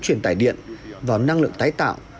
truyền tải điện vào năng lượng tái tạo